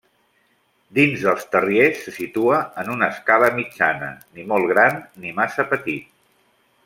Dins dels terriers se situa en una escala mitjana, ni molt gran ni massa petit.